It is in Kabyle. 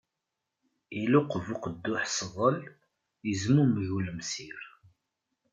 Iluqeb uqedduḥ sḍel, izmummeg ulemsir.